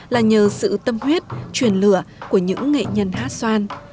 là nhờ sự tâm huyết truyền lửa của những nghệ nhân hát xoan